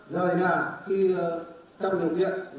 rời nhà khi trong điều kiện